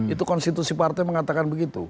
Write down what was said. itu konstitusi partai mengatakan begitu